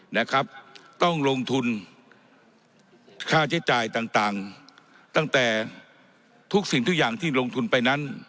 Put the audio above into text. นะครับต้องลงทุนค่าใช้จ่ายต่างต่างตั้งแต่ทุกสิ่งทุกอย่างที่ลงทุนไปนั้น